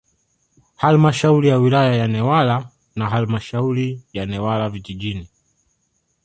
Halmashauri ya wilaya ya Newala na Halmashauri ya Newala vijijini